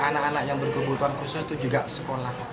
anak anak yang berkebutuhan khusus itu juga sekolah